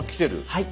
はい。